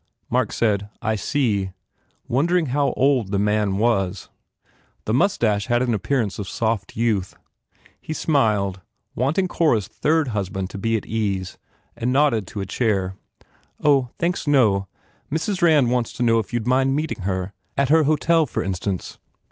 Mark said, "I see," wondering how old the man was. The moustache had an appearance of soft youth. He smiled, wanting Cora s third husband to be at ease, and nodded to a chair. "Oh, thanks no. Mrs. Rand wants to know if if you d mind meeting her. At her hotel, for in stance?"